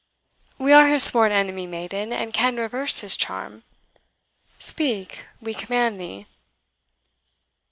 We are his sworn enemy, maiden, and can reverse his charm. Speak, we command thee."